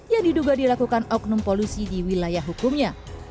yang diduga dilakukan oknum polisi di wilayah hukumnya